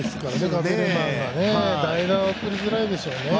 ガゼルマンがね代打はとりづらいでしょうね。